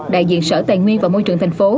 đại diện sở tài nguyên và môi trường thành phố